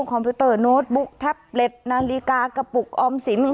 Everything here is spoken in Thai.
คอมพิวเตอร์โน้ตบุ๊กแท็บเล็ตนาฬิกากระปุกออมสิน